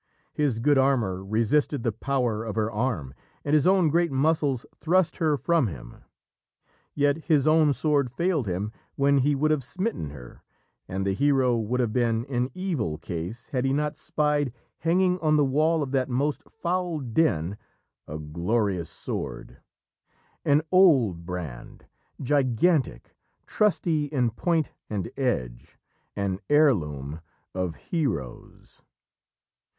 His good armour resisted the power of her arm, and his own great muscles thrust her from him. Yet his own sword failed him when he would have smitten her, and the hero would have been in evil case had he not spied, hanging on the wall of that most foul den, "A glorious sword, An old brand gigantic, trusty in point and edge, An heirloom of heroes."